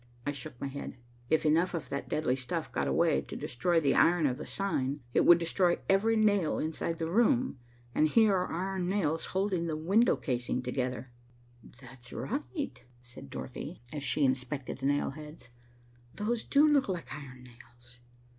I shook my head. "If enough of that deadly stuff got away to destroy the iron of the sign, it would destroy every nail inside the room, and here are iron nails holding the window casing together." "That's right," said Dorothy, as she inspected the nail heads. "Those do look like iron nails."